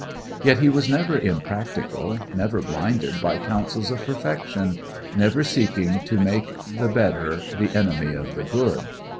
Yet he was never impractical, never blinded by counsels of perfection, never seeking to make the better the enemy of the good.